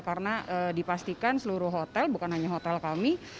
karena dipastikan seluruh hotel bukan hanya hotel kami